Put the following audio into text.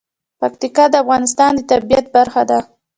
پکتیکا د افغانستان د طبیعت برخه ده.